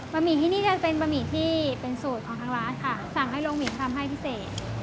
หมี่ที่นี่จะเป็นบะหมี่ที่เป็นสูตรของทางร้านค่ะสั่งให้โรงหมี่ทำให้พิเศษ